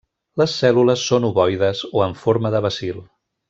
Les cèl·lules són ovoides o en forma de bacil.